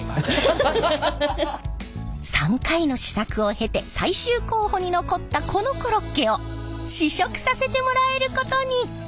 ３回の試作を経て最終候補に残ったこのコロッケを試食させてもらえることに。